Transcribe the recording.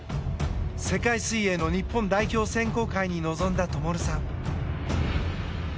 世界水泳の日本代表選考会に臨んだ灯さん。